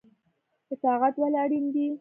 اطاعت ولې اړین دی؟